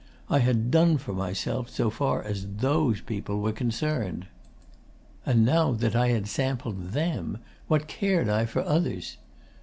I had done for myself, so far as THOSE people were concerned. And now that I had sampled THEM, what cared I for others?